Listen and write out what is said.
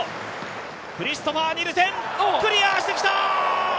クリストファー・ニルセン、クリアしてきた！